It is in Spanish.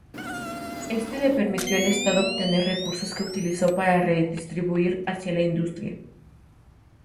Éste le permitió al Estado obtener recursos que utilizó para redistribuir hacia la industria.